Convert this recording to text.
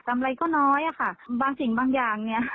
ำไรก็น้อยอะค่ะบางสิ่งบางอย่างเนี่ย